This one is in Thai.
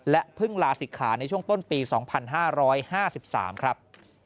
เพิ่งลาศิกขาในช่วงต้นปี๒๕๕๓ครับ